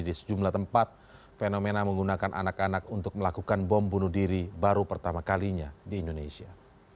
di sejumlah tempat fenomena menggunakan anak anak untuk melakukan bom bunuh diri baru pertama kalinya di indonesia